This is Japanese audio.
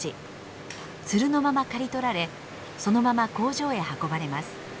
ツルのまま刈り取られそのまま工場へ運ばれます。